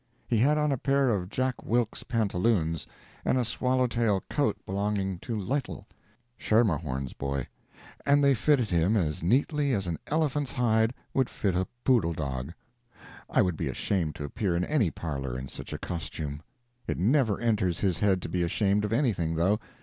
He had on a pair of Jack Wilde's pantaloons, and a swallow tail coat belonging to Lytle ("Schermerhorn's Boy"), and they fitted him as neatly as an elephant's hide would fit a poodle dog. I would be ashamed to appear in any parlor in such a costume. It never enters his head to be ashamed of anything, though.